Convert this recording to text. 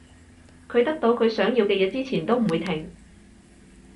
佢得到佢想要嘅嘢之前都唔會停